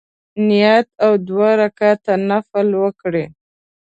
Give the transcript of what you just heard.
نیت او دوه رکعته نفل وکړي.